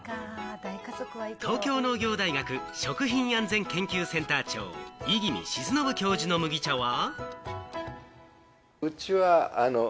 東京農業大学食品安全研究センター長・五十君靜信教授の麦茶は。